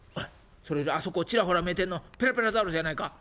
それよりあそこちらほら見えてんのペラペラザウルスやないか？」。